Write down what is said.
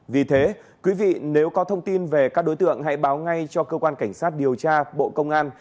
vì thế quý vị nếu có thông tin về các đối tượng hãy báo ngay cho cơ quan cảnh sát điều tra bộ công an